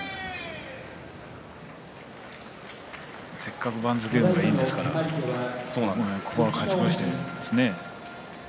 せっかく番付運がいいんですからここは勝ち越して。